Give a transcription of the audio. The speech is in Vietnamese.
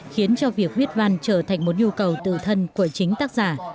khiến cho việc huyết văn trở thành một nhu cầu tự thân của chính tác giả